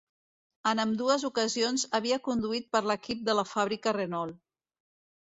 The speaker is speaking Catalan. En ambdues ocasions havia conduït per l'equip de la fàbrica Renault.